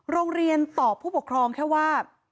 โรงเรียนตอบผู้ปกครองแค่ว่า